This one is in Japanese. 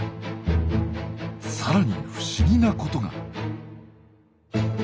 さらに不思議なことが。